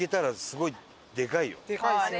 でかいですよね。